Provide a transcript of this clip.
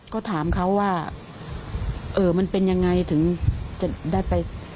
ก็ถามเขาว่าเออมันเป็นยังไงถึงจะได้ไป